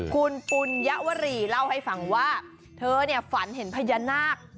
คุณปุญยวรีเล่าให้ฟังว่าเธอฝันเห็นพญานาค